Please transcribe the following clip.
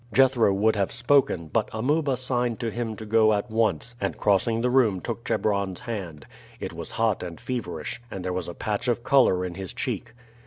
Jethro would have spoken, but Amuba signed to him to go at once, and crossing the room took Chebron's hand. It was hot and feverish, and there was a patch of color in his cheek.